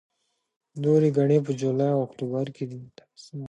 نورې ګڼې په جولای او اکتوبر کې دي.